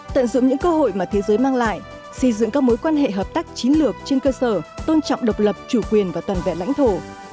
tận dụng những cơ hội mà thế giới mang lại xây dựng các mối quan hệ hợp tác chiến lược trên cơ sở tôn trọng độc lập chủ quyền và toàn vẹn lãnh thổ